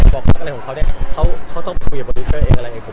บอกว่าอะไรของเขาเนี้ยเขาต้องคุยกับโปรดิวเซอร์เอง